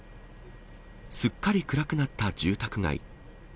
すっかり暗くなった住宅街。